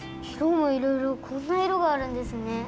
いろもいろいろこんないろがあるんですね。